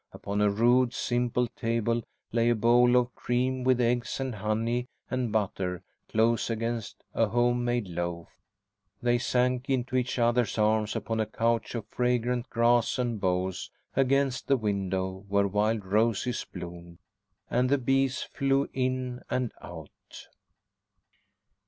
Upon a rude, simple table lay a bowl of cream, with eggs and honey and butter close against a home made loaf. They sank into each other's arms upon a couch of fragrant grass and boughs against the window where wild roses bloomed ... and the bees flew in and out.